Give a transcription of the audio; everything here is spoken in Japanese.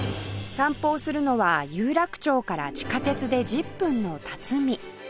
散歩をするのは有楽町から地下鉄で１０分の辰巳